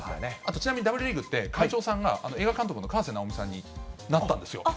ちなみにＷリーグって、会長さんが映画監督の河直美さんになったんですよ。